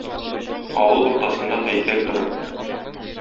Авыл уртасында һәйкәл тора.